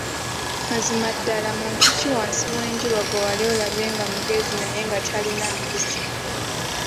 Mazima ddala muntu ki wansi w'enjuba gwe wali olabye nga mugezi naye nga talina mpisa?